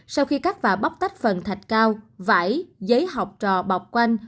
sau khi cắt và bóc tách phần thạch cao vải giấy học trò bọc quanh